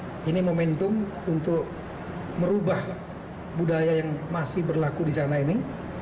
oleh karena itu ini momentum untuk merubah budaya yang masih berlaku di sana ini